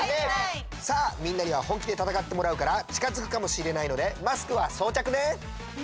さあみんなにはほんきでたたかってもらうからちかづくかもしれないのでマスクはそうちゃくね！